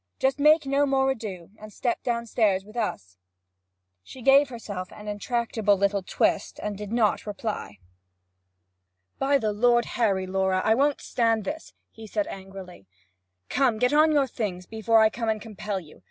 Just make no more ado, and step downstairs with us.' She gave herself an intractable little twist, and did not reply. 'By the Lord Harry, Laura, I won't stand this!' he said angrily. 'Come, get on your things before I come and compel you.